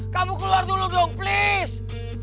kamu keluar dulu dong please